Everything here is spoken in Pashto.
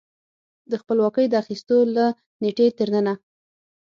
د خپلواکۍ د اخیستو له نېټې تر ننه